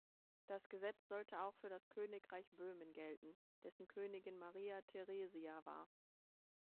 Das Gesetz sollte auch für das Königreich Böhmen gelten, dessen Königin Maria Theresia war.